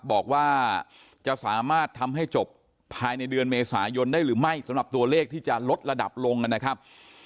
บอกว่าจะสามารถทำให้จบภายในเดือนเมษายนได้หรือไม่สำหรับตัวเลขที่จะลดระดับลงนะครับ